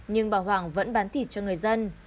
nhưng bà hoàng vẫn bán thịt cho người dân